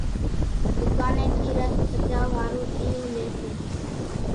ڌُوڪانين ٿي رڌ پچاءُ ۿارُو پيۿون لئي سي،